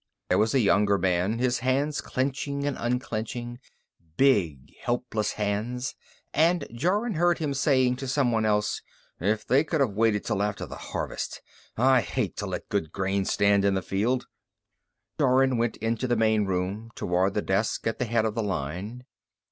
There was a younger man, his hands clenching and unclenching, big helpless hands, and Jorun heard him saying to someone else: " if they could have waited till after harvest. I hate to let good grain stand in the field." Jorun went into the main room, toward the desk at the head of the line.